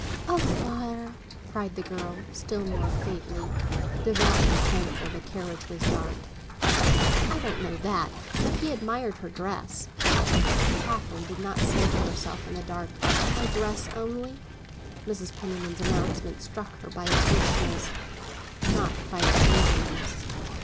"Oh, father," cried the girl, still more faintly, devoutly thankful the carriage was dark. "I don't know that; but he admired her dress." Catherine did not say to herself in the dark, "My dress only?" Mrs. Penniman's announcement struck her by its richness, not by its meagreness.